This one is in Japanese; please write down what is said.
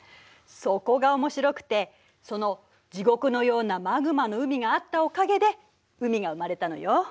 そこが面白くてその地獄のようなマグマの海があったおかげで海が生まれたのよ。